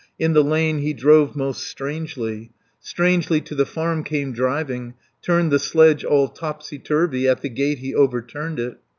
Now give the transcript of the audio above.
In the lane he drove most strangely, Strangely to the farm came driving, Turned the sledge all topsy turvy, At the gate he overturned it.